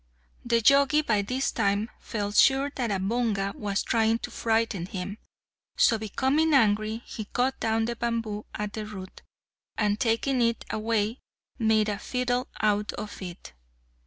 The Jogi by this time felt sure that a Bonga was trying to frighten him, so becoming angry he cut down the bamboo at the root, and taking it away made a fiddle out of it.